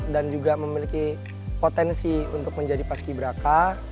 dan juga memiliki potensi untuk menjadi paskibra